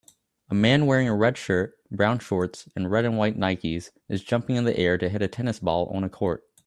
A man wearing a red shirt brown shorts and red and white Nikes is jumping in the air to hit a tennis ball on a court